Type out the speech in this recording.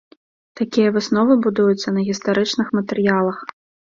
Такія высновы будуюцца на гістарычных матэрыялах.